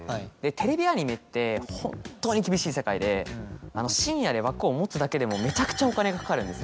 テレビアニメって本当に厳しい世界で深夜で枠を持つだけでもめちゃくちゃお金がかかるんです。